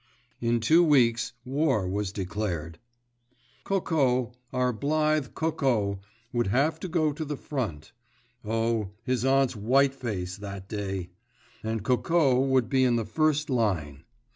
In two weeks war was declared! Coco, our own blithe Coco, would have to go to the front—oh, his aunt's white face that day!—and Coco would be in the first line!